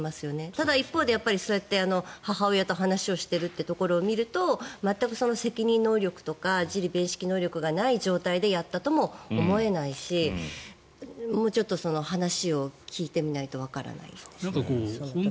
ただ、一方で母親と話をしているところを見ると全く責任能力とかがない状態でやったとも思えないしもうちょっと話を聞いてみないとわからないですね。